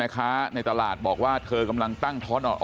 แล้วป้าไปติดหัวมันเมื่อกี้แล้วป้าไปติดหัวมันเมื่อกี้